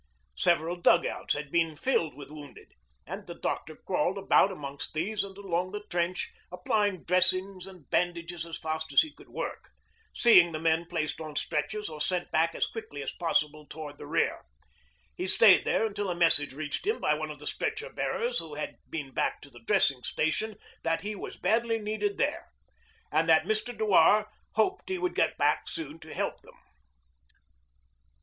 Several dug outs had been filled with wounded, and the doctor crawled about amongst these and along the trench, applying dressings and bandages as fast as he could work, seeing the men placed on stretchers or sent back as quickly as possible towards the rear. He stayed there until a message reached him by one of the stretcher bearers who had been back to the dressing station that he was badly needed there, and that Mr. Dewar hoped he would get back soon to help them.